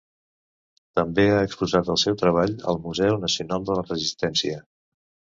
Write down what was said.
També ha exposat el seu treball al Museu Nacional de la Resistència.